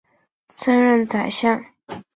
曾任宰相。